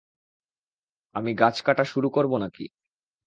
আমি গাছ কাটা শুরু করব নাকি?